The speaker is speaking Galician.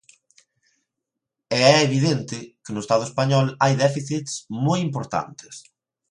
E é evidente que no Estado español hai déficits moi importantes.